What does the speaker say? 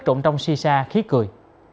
trộn trong si sa khí cười